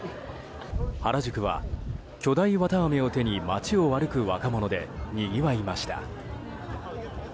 原宿は巨大綿あめを手に街を歩く若者でにぎわいました。